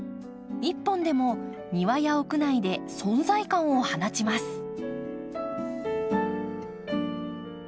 一本でも庭や屋内で存在感を放ちます。